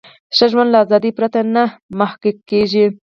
ښه ژوند له ازادۍ پرته نه محقق کیږي.